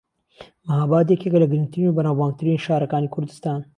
مەھاباد یەکێکە لە گرنگترین و بەناوبانگترین شارەکانی کوردستان